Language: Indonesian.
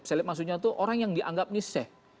seleb maksudnya itu orang yang dianggap nisih